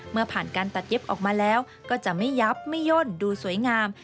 เมื่อผ่านการตัดเย็บออกมาแล้วก็จะไม่ยับไม่ย่นดูสวยงาม